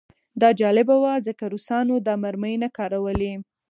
دا جالبه وه ځکه روسانو دا مرمۍ نه کارولې